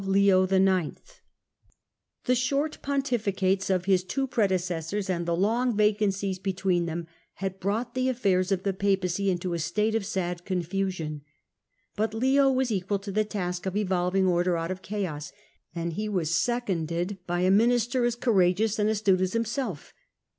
* Epist. vii. 14a. Digitized by VjOOQIC Progress of the Reforming Movement 27 The short pontificates of his two predecessors, and the long vacancies between them, had brought the affairs of the Papacy into a state of sad confusion. But Leo was equal to the task of evolving order out of chaos, and he was seconded by a minister as courageous and astute as himself.